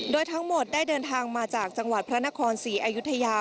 โดยทั้งหมดได้เดินทางมาจากจังหวัดพระนครศรีอยุธยา